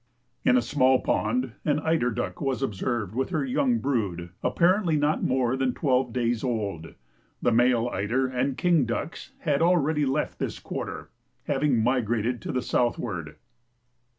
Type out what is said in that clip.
In a small pond an eider duck was observed with her young brood apparently not more than twelve days old. The male eider and king ducks had already left this quarter, having migrated to the southward.